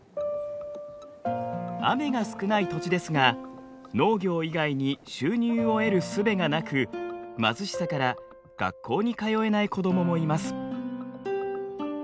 雨が少ない土地ですが農業以外に収入を得るすべがなく貧しさから学校に通えない子どももいます。